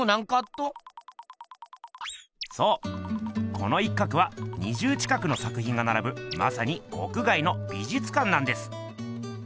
この一角は２０近くの作品がならぶまさに屋外の美術館なんです！